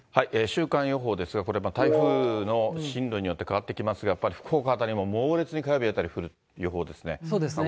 週間予報ですが、これ、台風の進路によって変わってきますが、やっぱり福岡辺りも、猛烈に火曜日あたり降る予報ですね。